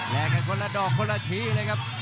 กันคนละดอกคนละทีเลยครับ